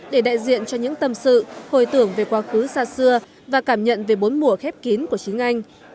để đại diện cho những tâm sự hồi tưởng về quá khứ xa xưa và cảm nhận về bốn mùa khép kín của chính anh